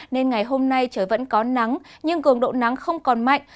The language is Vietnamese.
nên ngày hôm nay trời vẫn có nắng nhưng cường độ nắng không còn mạnh